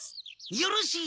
よろしい！